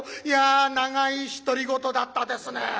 「いや長い独り言だったですね」